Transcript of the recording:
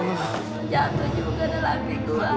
jatuh juga lelaki gua